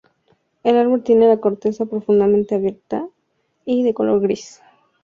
El árbol tiene la corteza profundamente agrietada y de color gris.